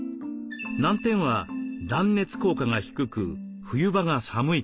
難点は断熱効果が低く冬場が寒いこと。